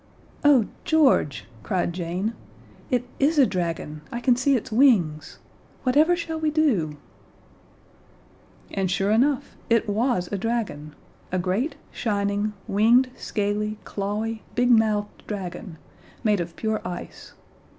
"Oh, George," cried Jane, "it is a dragon; I can see its wings. Whatever shall we do?" And, sure enough, it was a dragon a great, shining, winged, scaly, clawy, big mouthed dragon made of pure ice.